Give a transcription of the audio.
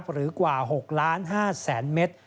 หรือกว่า๖ล้าน๕แสนเมตร